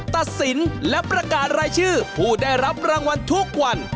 ตัดสินและประกาศรายชื่อผู้ได้รับรางวัลทุกวัน